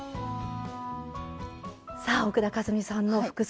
さあ奥田和美さんの副菜